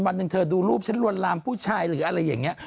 วันหนึ่งเธอดูรูปฉันลวนลามผู้ชายหรืออะไรอย่างนี้